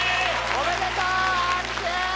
おめでとうＲＧ！